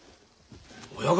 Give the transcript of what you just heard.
親方！